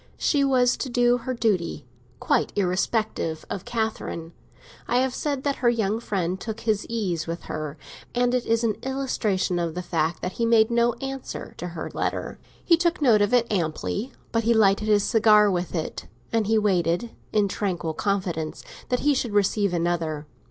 She was to do her duty, quite irrespective of Catherine. I have said that her young friend took his ease with her, and it is an illustration of the fact that he made no answer to her letter. He took note of it, amply; but he lighted his cigar with it, and he waited, in tranquil confidence that he should receive another.